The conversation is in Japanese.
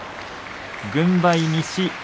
軍配西。